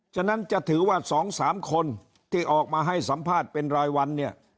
ฉะนั้นจะถือว่า๒๓คนที่ออกมาให้สัมภาษณ์เป็นรายวันเนี่ย